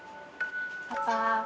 「パパ」。